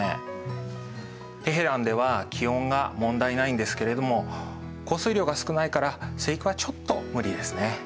テヘランでは気温が問題ないんですけれども降水量が少ないから生育はちょっと無理ですね。